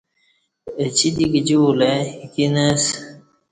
اچی دی گجی کولہ ائ ایکی نہ اسہ۔